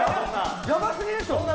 ヤバすぎでしょ